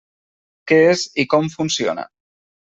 Què és i com funciona.